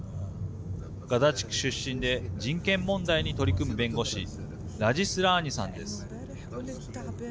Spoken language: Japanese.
ガザ地区出身で人権問題に取り組む弁護士ラジ・スラーニさんです。